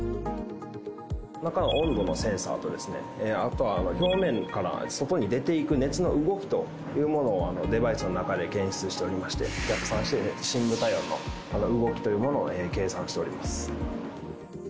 中は温度のセンサーと、あとは表面から外に出ていく熱の動きというものをデバイスの中で検出しておりまして、逆算して深部体温の動きというものを計算しております。